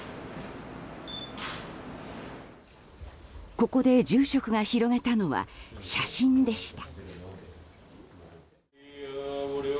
ここで住職が広げたのは写真でした。